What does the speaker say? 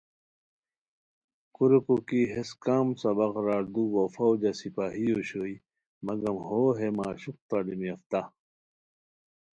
کوریکو کی ہیس کم سبق راردو وا فوجہ سپاہی اوشوئے، مگم ہو ہے معشوق تعلیم یافتہ